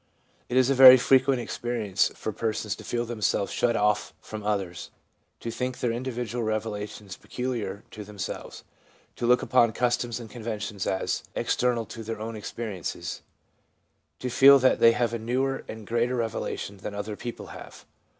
It is a very frequent experi ence for persons to feel themselves shut off from others ; to think their individual revelations peculiar to them selves; to look upon customs and conventions as external to their own experiences ; to feel that they have a newer and greater revelation than other people have.